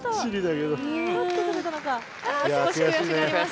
あ少しくやしがります。